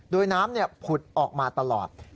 โดยน้ำผุดออกมาตลอด